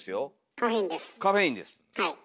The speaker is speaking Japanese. カフェインです。